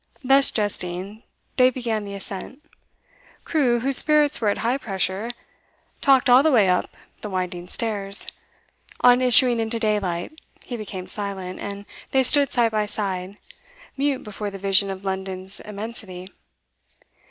Thus jesting, they began the ascent. Crewe, whose spirits were at high pressure, talked all the way up the winding stairs; on issuing into daylight, he became silent, and they stood side by side, mute before the vision of London's immensity.